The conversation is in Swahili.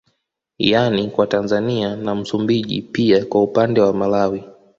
Yani kwa Tanzania na Msumbiji pia kwa upande wa Malawi